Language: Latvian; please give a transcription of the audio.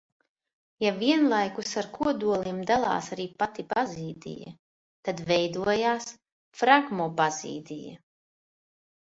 Ja vienlaikus ar kodoliem dalās arī pati bazīdija, tad veidojas fragmobazīdija.